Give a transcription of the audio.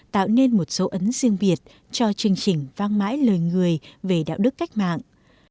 tạo nên một dấu ấn riêng biệt cho chương trình vang mãi lời người về đạo đức cách mạng